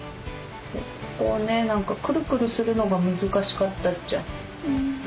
ここをね何かクルクルするのが難しかったっちゃ。